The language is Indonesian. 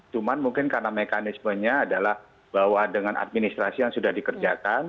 cuma mungkin karena mekanismenya adalah bahwa dengan administrasi yang sudah dikerjakan